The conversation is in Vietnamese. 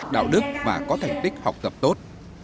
đạo đức và có thành tích học tập tốt